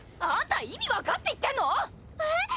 あんた意味分かって言ってんの！？